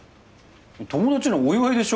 友達のお祝いでしょ？